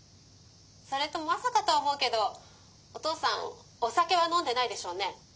それとまさかとは思うけどお父さんおさけはのんでないでしょうね？」。